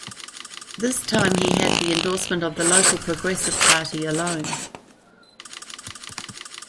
This time he had the endorsement of the local Progressive Party alone.